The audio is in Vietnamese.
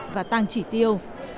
và tăng trị tiêu